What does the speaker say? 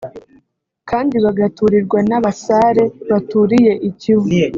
kandi bagaturirwa n’Abasare baturiye i Kivu